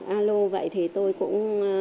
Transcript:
alo vậy thì tôi cũng